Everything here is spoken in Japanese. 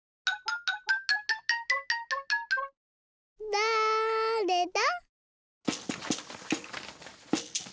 だれだ？